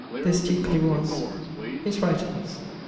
This Stukely was.... <_His writings.